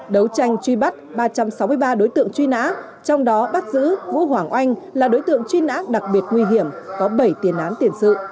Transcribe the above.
đấu tranh truy bắt ba trăm sáu mươi ba đối tượng truy nã trong đó bắt giữ vũ hoàng oanh là đối tượng truy nã đặc biệt nguy hiểm có bảy tiền án tiền sự